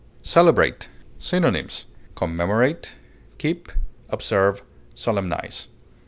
CELEBRATE. Synonyms: commemorate, keep, observe, solemnize.